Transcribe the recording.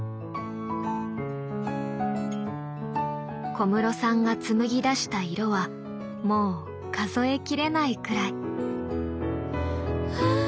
小室さんが紡ぎだした色はもう数えきれないくらい。